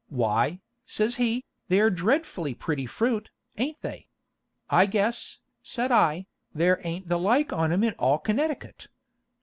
'Why,' says he, 'they are dreadfully pretty fruit, ain't they?' 'I guess,' said I, 'there ain't the like on 'em in all Connecticut.'